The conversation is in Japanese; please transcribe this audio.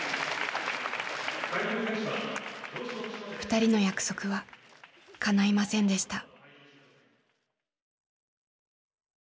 ２人の約束はかないませんでした。